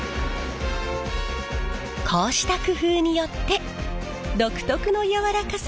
こうした工夫によって独特の柔らかさが生まれるんです。